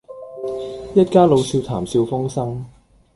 一家老少談笑風生